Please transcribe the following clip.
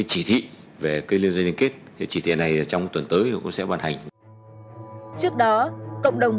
chỉ thị về cây lưu dây liên kết thì chỉ thị này trong tuần tới cũng sẽ bàn hành trước đó cộng đồng